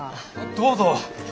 どうぞ！